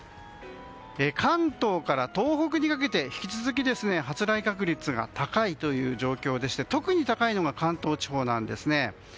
関東から東北にかけて引き続き発雷確率が高いという状況でして特に高いのが関東地方なんですね。